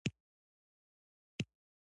څوک چې خپله ډوډۍ لري، بادار دی.